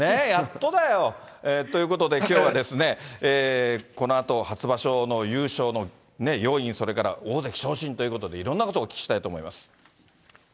やっとだよ。ということで、きょうはこのあと初場所の優勝の要因、それから大関昇進ということで、いろんなことをお聞きしたいと思います。